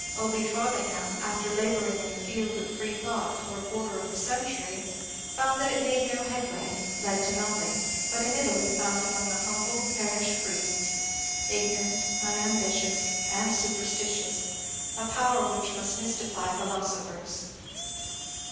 O. B. Frothingham, after labouring in the field of free thought for a quarter of a cen tury, found that it made no headway, led to nothing, but in Italy found among the humble parish priests —^^ ignorant, unambitious, and superstitious "— a ^^ power which must mys tify philosophers.